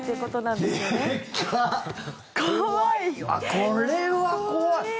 これは怖い。